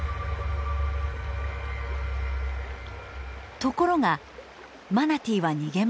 ところがマナティーは逃げません。